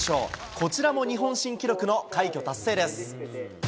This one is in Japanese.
こちらも日本新記録の快挙達成です。